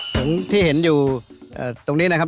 อย่างที่เห็นอยู่ตรงนี้นะครับ